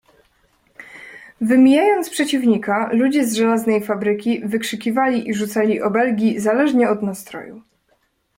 "Wymijając przeciwnika, ludzie z żelaznej fabryki wykrzykiwali i rzucali obelgi, zależnie od nastroju."